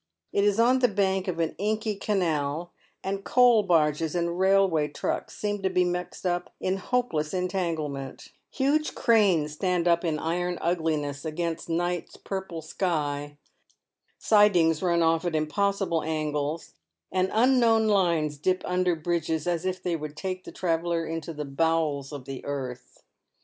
It is on the bank of an inky canal, and coal barges and railway trucks seem to be mixed up in hopeless entanglement. Huge cranes stand up in iron ugliness against night's purple sky. Sidings run off at impossible angles, and unknown lines dip under bridges as if they would take the traveller into the bowels of the earth.